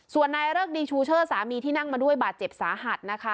ส่วนนายเริกดีชูเชิดสามีที่นั่งมาด้วยบาดเจ็บสาหัสนะคะ